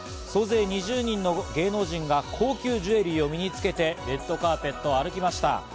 総勢２０人の芸能人が高級ジュエリーを身につけてレッドカーペットを歩きました。